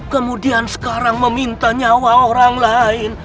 kemudian sekarang meminta nyawa orang lain